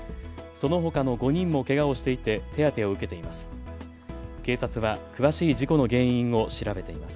そのほかの５人もけがをしていて手当てを受けています。